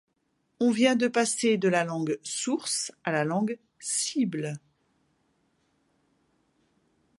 On vient de passer de la langue source à la langue cible.